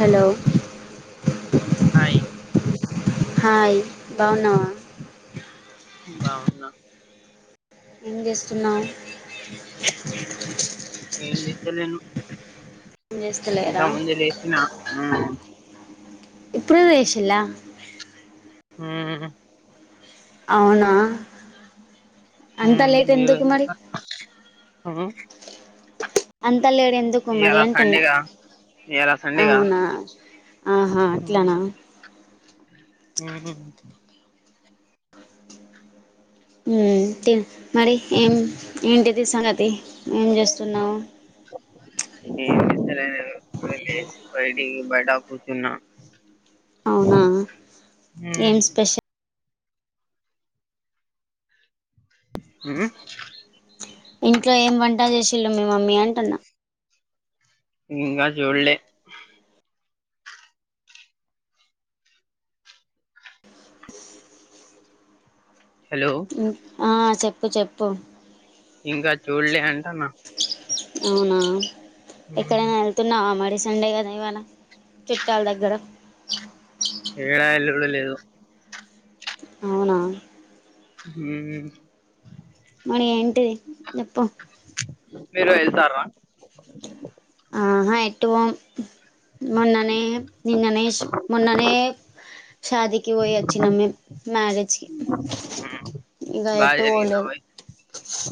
Hello hi hi బాగున్నావా బాగున్నా ఏం చేస్తున్నావ్ ఏం జేత్తలేను ఏం చేస్తలేరా లేసిన ఉమ్ ఇప్పుడే లేసిల్లా ఉమ్ అవునా అంతా లేట్ ఎందుకు మరి ఆ అంతా లేట్ ఎందుకు మరి ఇయాల అంటున్నా సండేగా ఇయాల సండేగా అవునా ఆహా అట్లనా ఉహు ఉమ్ టిల్ మరి ఏం ఏంటిది సంగతి ఏం చేస్తున్నావు నేన్ ఏం జేత్తలేను ఏదో ఇపుడే లేసి బయటికి బయటా కూర్చున్నా అవునా ఏం ఉమ్ స్పెషల్ ఉమ్ ఇంట్లో ఏం వంట చేసిల్లు మీ మమ్మీ అంటున్నా ఇంగా చూడ్లే. హలో ఆ చెప్పు చెప్పు. ఇంగా చూడ్లే అంటన్నా. అవునా ఉమ్ ఎక్కడైనా ఎ ళ్తున్నావ మరి సండే కదా ఇవాళ చుట్టాల్ దగ్గర. ఏడా ఎళ్ళుడే లేదు. అవునా హ్ మరి ఏంటిది చెప్పు. మీరు ఏళ్తారా. ఆహా ఎటువోమ్ మోన్ననే నిన్ననే మోన్ననే షాదికి పోయి అచ్చినం మేం మ్యారేజ్కి. ఇగా బాగా ఏటు జరిగిందా వోలేదు. మరి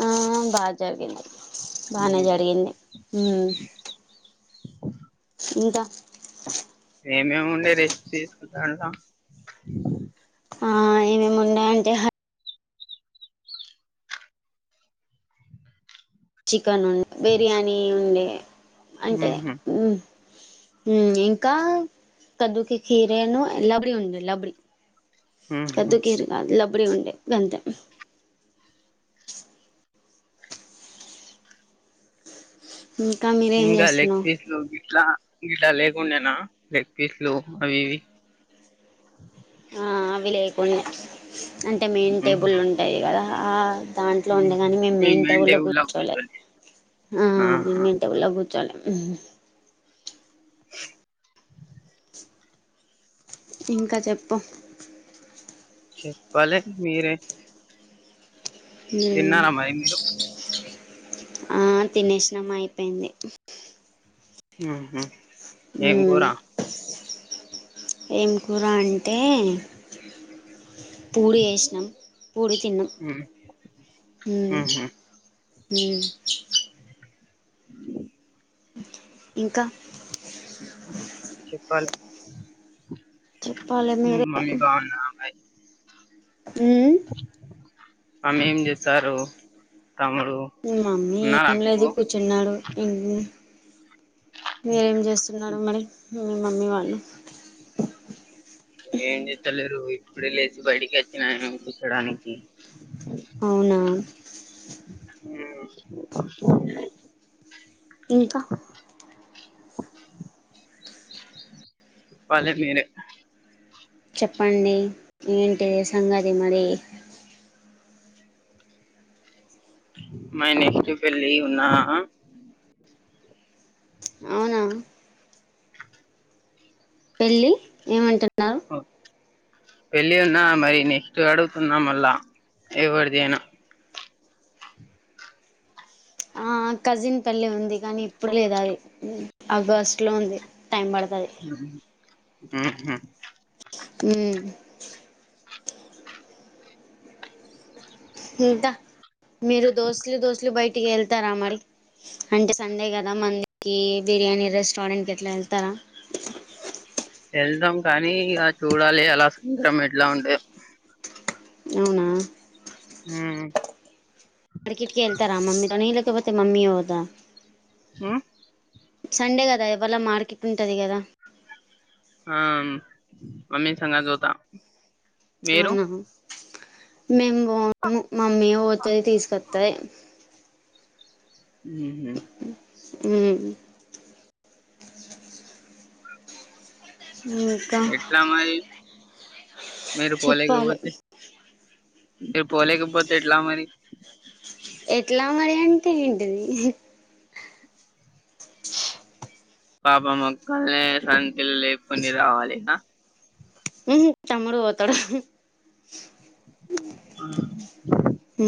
ఆ బాజరిగింది, బానే ఉమ్ జరిగింది. ఇంకా ఏమేం ఉండే రెసిపీస్ దాంట్లా. ఆ ఏమేమున్నయంటే చికెన్ ఉం బిర్యానీ ఉండే అంటే ఉహు ఇంకా కద్దుకి కీరేను, లబ్డి ఉన్నది లబ్డి. ఉహు కద్దు కీరు కాదు లబ్డి ఉండే గంతే. ఇంకామి. ఇంకా లెగ్ పీస్లు గిట్లా గిడ్లా లేకుండేనా లెగ్ పీస్లు అవి ఇవి. ఆ అవి లేకుండే అంటే మెయిన్ మ్మ్. టేబులుంటాయ్ గదా ఆ దాంట్లో ఉండేగాని మేం మీ మెయిన్ టేబులో టేబుల్ కూర్చోలే కూర్చొని ఆ ఆహా మేం టేబుల్లో కుర్చోలే. ఇంకా చెప్పు చెప్పాలే మీరే. హ్ తిన్నారా మరి మీరు ఆ తినేసినం అయిపోయింది. ఆహా హ్ ఏం కూర అంటే పూరి చేస్నం, పూరి తిన్నం. హ్ ఉహు హ్ ఇంకా చెప్పలే చెప్పాలి మీ మీరే మమ్మీ బావుందా మ ఉ అన్నేం జేత్తార్రు తమ్ముడూ మమ్మీ ఏం లేదు కూర్చున్నాడు ఎందీ మీరేం చేస్తున్నారు మరి మీ మమ్మీ వాళ్ళు. ఏం జెత్తలేరు ఇప్పుడే లేసి బయిటికి అచ్చినా కూర్చోడాని అవునా [inaudible] ఇంకా చెప్పాలె మీరే చెప్పండి ఏంటిది సంగది మరీ మై నెక్స్ట్ పెళ్లి ఉన్నా అవ్నా పెళ్ళి ఏమంటున్నావ్ పెళ్ళి ఉన్నా మరి నెక్స్ట్ అడుగుతున్నా మళ్ళా ఎవర్దైనా ఆ కజిన్ పెళ్లి ఉంది కానీ ఇప్పుడు లేదు అది ఆగస్ట్లో ఉంది టైం బడ్తది ఆ హా ఊ మ్ ఇంకా మీరు దోస్తులు దోస్తులు బయటికి ఎళ్తారా మరి అంటే సండే గదా మండికి బిర్యానీ రెస్టారెంట్ కట్ల ఎళ్తారా ఎళ్తం కానీ ఇగ చూడాలి అలా [unintelligible] ఎట్లా ఉంటయొ అవునా ఊ మ్ మార్కెట్ కి ఎళ్తారా మమ్మి తొని లేకపోతే మమ్మీయే పోదా ఆ సండే గదా ఇవాళ మార్కెట్ ఉంటది గదా ఆ మమ్మీ తో నేన్ జుతా అవునా మేము బోము మామ్మీ పోతది తీసుకొత్తది మ్ హు మ్ మ్ ఎట్లా మరి మీరు చెప్పాలి పోలేకపొతే అంటె పోలేకపోతే ఎట్లా మరి ఎట్లా మరి అంటే ఏంటిది పాపం ఒక్కల్లె సంచిలు లేపుకుని రావాలి ఆ మ్ హు తమ్ముడు పోతాడు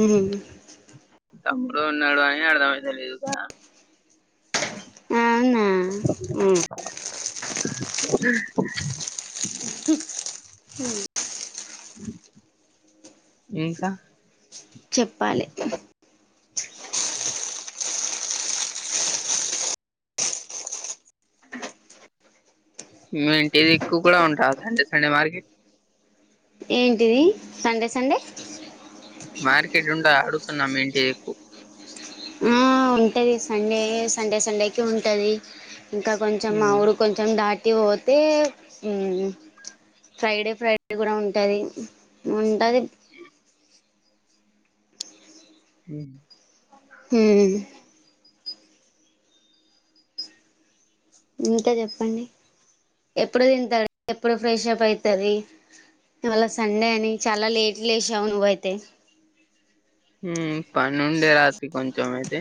ఊమ్ తమ్ముడు ఉన్నడు ఉన్నడు అని అర్థమైతలేదు సా అవునా మ్ ఇంకా చెప్పాలే మి ఇంటి దిక్కు కూడ ఉంటదా సండే సండే మార్కెట్ ఏంటిది సండే సండే మార్కెట్ ఉంటదా అడుగుతున్న మీ ఇంటి దిక్కు మ్ ఉంటుంది సండే సండే సండేకి ఉంటది ఇంకా కొంచెం మా ఉమ్ ఊరు కొంచెం దాటి వొతే ఉమ్ ఫ్రైడే ఫ్రైడే గూడ ఉంటది ఉంటది ఉమ్ హ్మ్ ఇంక చెప్పండి ఎప్పుడు తింటది ఎప్పుడు ఫ్రెష్ అప్ అయితది ఇవాళ సండే అని చాలా లేట్ లేషావు నువ్వైతే హ్మ్మ్ పనుండే రాత్రి కొంచం అయితె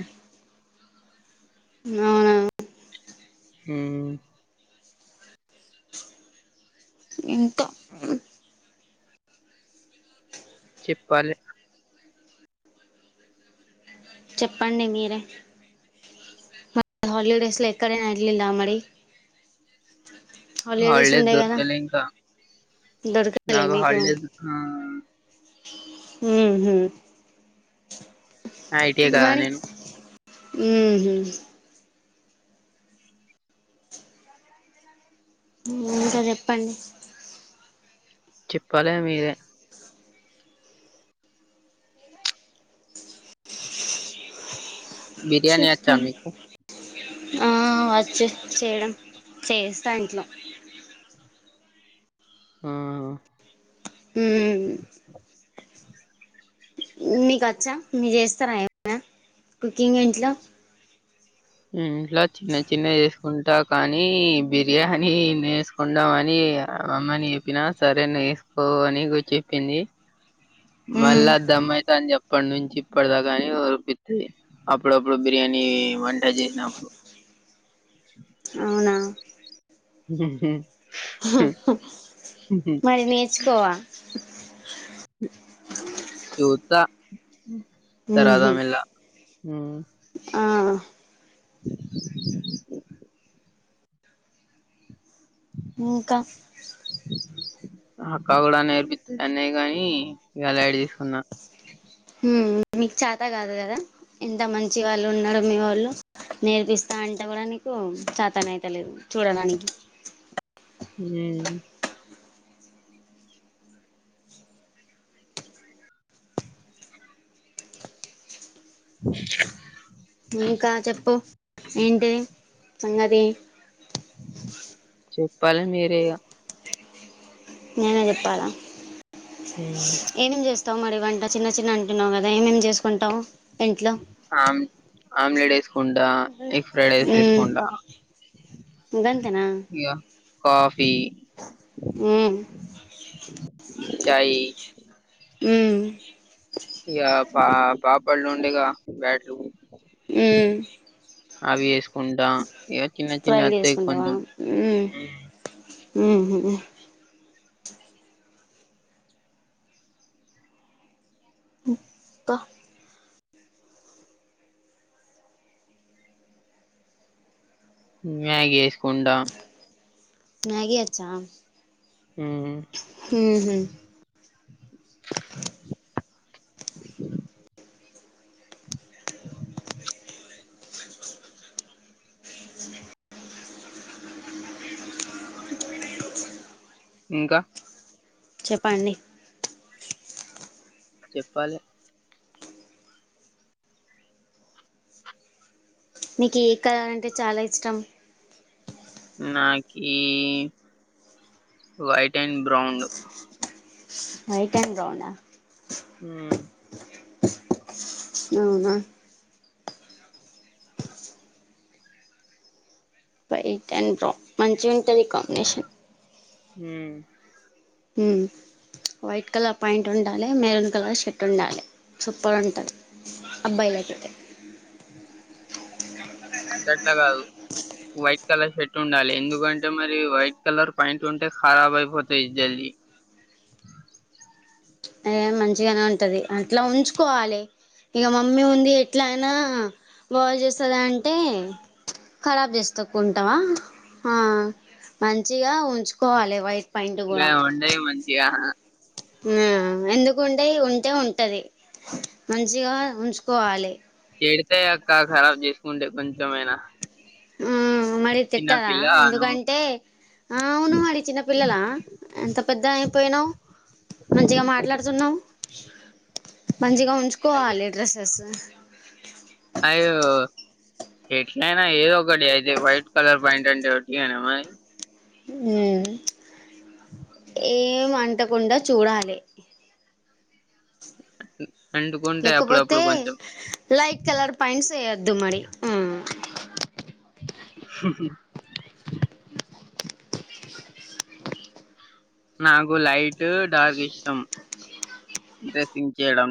అవునా హ్మ్మ్ ఇంక చెప్పాలె చెప్పండి మీరే హాలిడేస్ లో ఎక్కడైన ఎళ్ళిలా మరి హలిడేస్ హాలిడేస్ ఉండే గదా దొరకలే ఇంకా. దొరకలే నాకు మీకు హాలిడేస్ ఆ! ఉ హు ఐటీఐ కదా మరి నేను. ఉ హు ఇంక చెప్పండి చెప్పాలె మీరే బిర్యానీ వచ్చా చెప్పండి మీకు? ఆ అచ్చు చేయడం చేస్తా ఇంట్లో ఆ ఊమ్ మీకు వచ్చా మీరు చేస్తారా ఏమన్నా కుకింగ్ ఇంట్లో ఇంట్లా చిన్న చిన్నవి చేసుకుంటా కానీ బిర్యానీ నేసు ఒండమని అమ్మని చెప్పినా సరే నేసుకో అని గు చెప్పింది ఉమ్ మళ్ళీ అద్దమ్మయిత అని చెప్పటి నుంచి ఇప్పటిదాకాని ఓరిపింది అప్పుడప్పుడు బిర్యానీ వంట చేసినప్పుడు అవునా అది నేర్చుకోవ చూత్త తరాద మెల్ల ఆ ఇంకా అక్క కూడా నేర్పిత్తన్నయ్ గని ఇగ లైట్ తీసుకున్నా ఉమ్మ్ మీకు చాత కాదు కదా ఇంత మంచి వాళ్ళున్నరు మీ వొళ్ళు నేర్పిస్తా అంటె కూడా నీకు చాతనయిత లేదు చూడడానికి హ్మ్మ్ ఇంకా చెప్పు ఏంటిది సంగతి చెప్పాల మీరే గా నేనే చెప్పాలా ఉమ్మ్ ఏమేం చేస్తావు మరి వంట చిన్న చిన్న అంటున్నావు కదా ఏమేం చేసుకుంటవు ఇంట్లో ఆమ్ ఆమ్లెట్ వేసుకుండా ఎగ్ ఫ్రైడైస్ మ్మ్. వేసుకుంటా గంతేనా ఇగ కాఫీ మ్మ్. చాయి ఉమ్ ఇగ పాపొళ్లుండుగా బ్యాట్లు హ్మ్మ్ అవి ఏసుకుంటా ఫ్రైల్ చేసుకుంటావా ఉమ్ ఉహు ఉమ్ క్క ఇంగా గేసుకుంటా మ్యాగీ అచ్చా ఉమ్ హ్మ్మ్ హు ఇంకా చెప్పండి చెప్పాలె నీకు ఏ కలర్ అంటే చాలా ఇష్టం నాకి white and brown white and బ్రౌనా ఉమ్ అవునా వైట్ అండ్ బ్రౌన్ మంచిగుంటంది కాంబినేషన్ ఉమ్ ఉమ్ వైట్ కలర్ ప్యాంట్ ఉండాలి మెరూన్ కలర్ షర్ట్ ఉండాలి సూపర్ ఉంటది అబ్బాయిలకైయితే గట్లా కాదు వైట్ కలర్ షర్ట్ ఉండాలి ఎందుకంటే మరి వైట్ కలర్ ప్యాంట్ ఉంటే ఖరాబ్ అయిపోతాయి జల్ది మంచిగనే ఉంటది అట్లా ఉంచుకోవాలే ఇగ మమ్మీ ఉంది ఎట్లయినా బాగా చేస్తది అంటే కరాబ్ చేస్తకుంటావా ఆ మంచిగా ఉంచుకోవాలే వైట్ ప్యాంట్ గాయి ఉండేయి మంచిగా ఉమ్ ఎందుకుంటాయి ఉంటే ఉంటది మంచిగా ఉంచుకోవాలే చెడితే అక్క ఖరాబ్ చేసుకుంటే కొంచెంమైనా ఉమ్ మరి తిట్టదా పిల్ల నువ్వు ఎందుకంటే ఆ అవును మరి చిన్నపిల్లలా ఎంత పెద్దగా అయిపోయినావ్ మంచిగా మాట్లాడుతున్నావు మంచిగా అయితే ఉంచుకోవాలి డ్రస్సెసు అయ్యో ఎట్లయినా ఏదోకటి అయితే వయిట్ కలర్ ప్యాంటంటే ఒట్టిగెనా మరి ఉమ్ ఏం అంటకుండా చూడాలే అంటుకుంటే లేకపోతే అప్పుడప్పుడు కొంచెం లైట్ కలర్ పాయింట్స్ వేయొద్దు మరి నాకు లైటు డార్క్ ఇష్టం డ్రెస్సింగ్ చేయడం